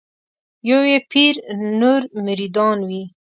یو یې پیر نور مریدان وي